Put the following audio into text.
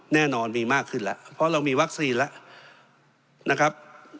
แน่นอนมีมากขึ้นแล้วเพราะเรามีวัคซีนแล้วนะครับ